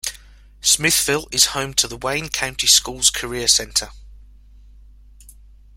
Smithville is home to the Wayne County Schools Career Center.